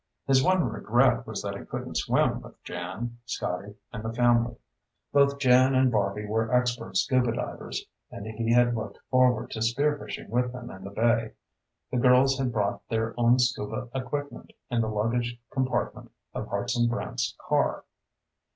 His one regret was that he couldn't swim with Jan, Scotty, and the family. Both Jan and Barby were expert Scuba divers, and he had looked forward to spearfishing with them in the bay. The girls had brought their own Scuba equipment in the luggage compartment of Hartson Brant's car.